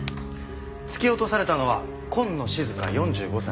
突き落とされたのは今野静香４５歳。